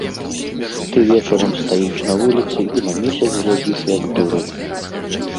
Ты вечарам стаіш на вуліцы і на месяц глядзіш, як дурань.